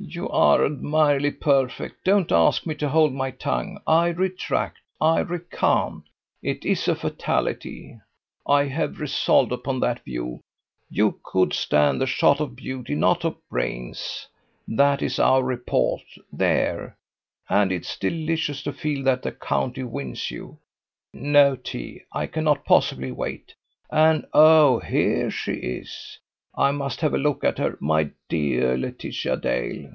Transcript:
"You are admirable! perfect! Don't ask me to hold my tongue. I retract, I recant. It is a fatality. I have resolved upon that view. You could stand the shot of beauty, not of brains. That is our report. There! And it's delicious to feel that the county wins you. No tea. I cannot possibly wait. And, oh! here she is. I must have a look at her. My dear Laetitia Dale!"